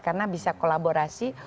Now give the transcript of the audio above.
karena bisa kolaborasi